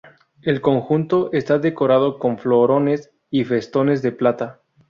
El conjunto está decorado con florones y festones de plata.